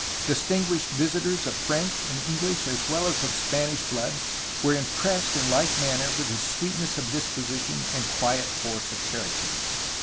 Distinguished visitors of French and English as well as of Spanish blood were impressed in like manner with his sweetness of disposi tion and quiet force of character.